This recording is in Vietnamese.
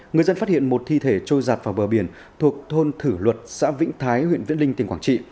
người dân phát hiện một thi thể trôi giặt vào bờ biển thuộc thôn thử luật xã vĩnh thái huyện vĩnh linh tỉnh quảng trị